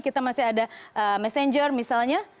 kita masih ada messenger misalnya